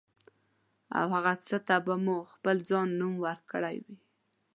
او هغه څه ته به مو خپل ځان نوم ورکړی وي.